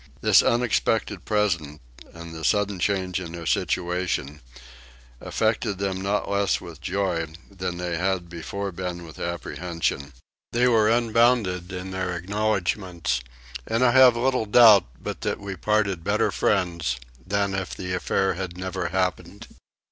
This unexpected present and the sudden change in their situation affected them not less with joy than they had before been with apprehension. They were unbounded in their acknowledgments and I have little doubt but that we parted better friends than if the affair had never happened.